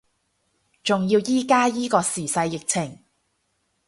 仲要依家依個時勢疫情